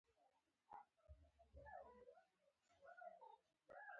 نه تربور نه به بدل وي پر دښمن به ګډ یرغل وي